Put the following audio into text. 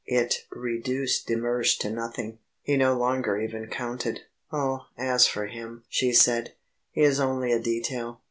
It reduced de Mersch to nothing; he no longer even counted. "Oh, as for him," she said, "he is only a detail."